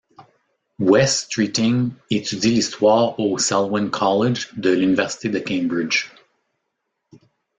Wes Streeting étudie l'histoire au Selwyn College de l'université de Cambridge.